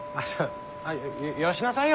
よよしなさいよ。